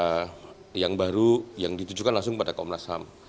ada yang baru yang ditujukan langsung pada komnas ham